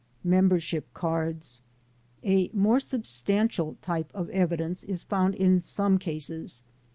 Membership Cards A more substantial type of evidence is found in some cases.